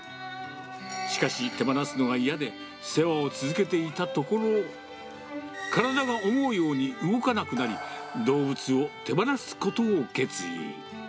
しかし、手放すのが嫌で、世話を続けていたところ、体が思うように動かなくなり、動物を手放すことを決意。